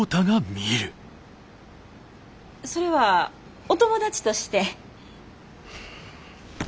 それはお友達として？